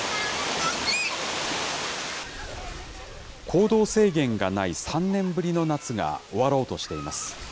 行動制限がない３年ぶりの夏が終ろうとしています。